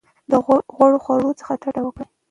د غوړو خوړو څخه ډډه وکړئ.